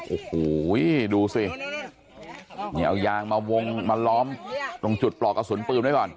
โอ้โหดูสินี่เอายางมาวงมาล้อมตรงจุดปลอกกระสุนปืนไว้ก่อน